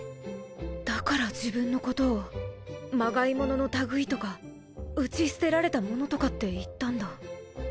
だから自分のことをマガイモノの類いとかうち捨てられた物とかって言ったんだ。